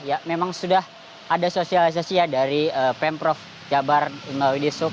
ya memang sudah ada sosialisasi ya dari pemprov jabar melalui disub